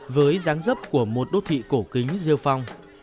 với giáng dấp của một đô thị cổ kính rêu phong